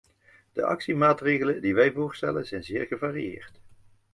De actiemaatregelen die wij voorstellen zijn zeer gevarieerd.